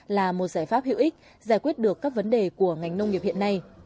là một giải pháp hữu ích giải quyết được các vấn đề của ngành nông nghiệp hiện nay